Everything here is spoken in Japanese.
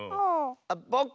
あっぼく？